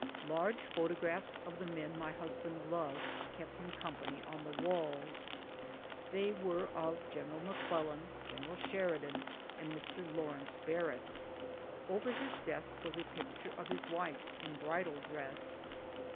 Large photographs of the men my husband loved kept him company on the walls ; they were of General McClellan, General Sheridan, and Mr. Lawrence Bar rett. Over his desk was a picture of his wife in bridal dress.